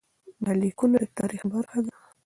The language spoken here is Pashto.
دا لیکونه د تاریخ برخه دي.